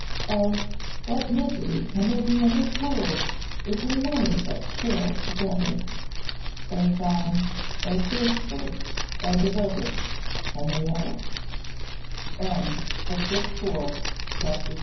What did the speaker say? Oh! what misery can there be in this world if we may but share it together? Thy fond, thy faithful, thy devoted Henrietta. CHAPTER III. _Contai